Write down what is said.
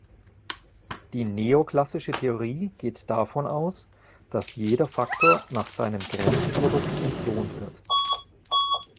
Die Neoklassische Theorie geht davon aus, dass jeder Faktor nach seinem Grenzprodukt entlohnt wird.